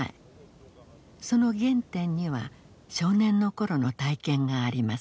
その原点には少年の頃の体験があります。